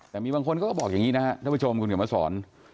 แต่มีบางคนก็บอกอย่างนี้นะท่านผู้ชมคุณก็มาสอน